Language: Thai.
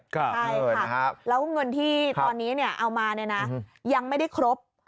ใช่ค่ะแล้วเงินที่ตอนนี้เอามายังไม่ได้ครบ